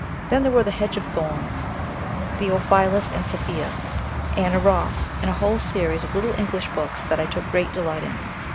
Then there were "The Hedge of Thorns;" "Theophilus and Sophia;" "Anna Ross," and a whole series of little English books that I took great delight in.